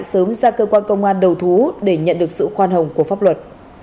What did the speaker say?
sớm ra cơ quan công an đầu thú để nhận được sự khoan hồng của pháp luật